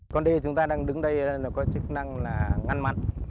con đê chúng ta đang đứng đây nó có chức năng là ngăn mặn